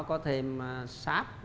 có thêm sars